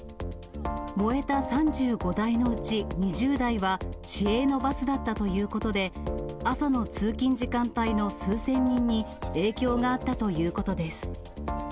燃えた３５台のうち２０台は市営のバスだったということで、朝の通勤時間帯の数千人に影響があったということです。